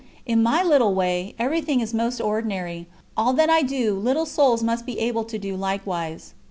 _In my 'little way' everything is most ordinary; all that I do, little souls must be able to do likewise."